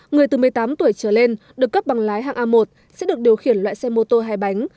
người từ một mươi tám tuổi trở lên được cấp bằng lái hàng a một sẽ được điều khiển loại xe mô tô hai bánh